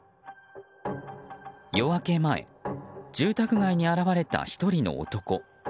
夜明け前住宅街に現れた１人の男。